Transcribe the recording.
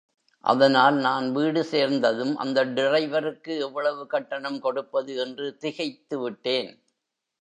அதனால் நான் வீடு சேர்ந்ததும் அந்த டிரைவருக்ககு எவ்வளவு கட்டணம் கொடுப்பது என்று திகைத்து விட்டேன்.